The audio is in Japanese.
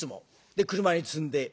で車に積んで。